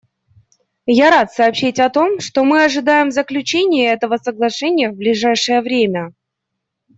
Я рад сообщить о том, что мы ожидаем заключения этого соглашения в ближайшее время.